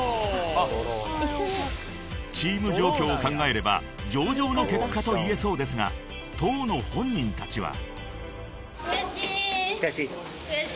［チーム状況を考えれば上々の結果と言えそうですが当の本人たちは］